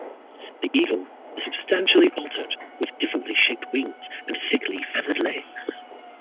The eagle is substantially altered, with differently-shaped wings and thickly feathered legs.